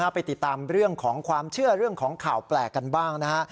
ไปติดตามเรื่องของความเชื่อเรื่องของข่าวแปลกกันบ้างนะฮะ